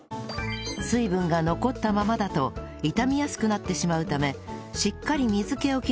水分が残ったままだと傷みやすくなってしまうためしっかり水気を切るのが保存の際のポイント